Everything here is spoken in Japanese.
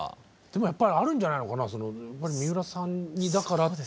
でもやっぱりあるんじゃないのかな三浦さんにだからっていうのはね。